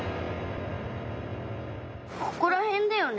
ここらへんだよね。